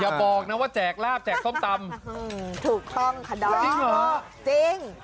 อย่าบอกนะว่าแจกลาบแจกส้มตำถูกต้องค่ะดอมจริงเหรอจริง